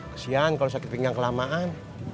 kesian kalau sakit pinggang kelamaan